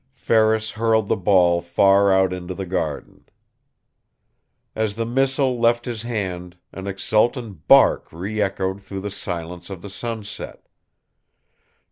Ferris hurled the ball far out into the garden. As the missile left his hand an exultant bark re echoed through the silence of the sunset.